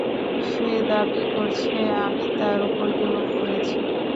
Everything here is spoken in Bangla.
সে দাবী করছে, আমি তার উপর যুলুম করেছি।